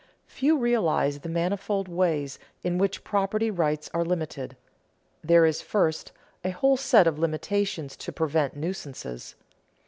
_ Few realize the manifold ways in which property rights are limited. There is, first, a whole set of limitations to prevent nuisances.